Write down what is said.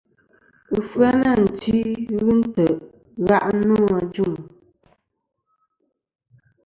Ɨfyanatwi ghɨ ntè' gha' nô ajuŋ.